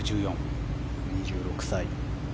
２６歳。